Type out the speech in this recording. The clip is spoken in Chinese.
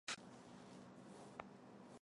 努伊扬人口变化图示